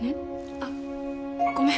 あっごめん